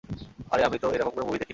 আরে আমি তো এরকম কোন মুভি দেখি নি।